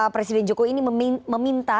presiden jokowi ini meminta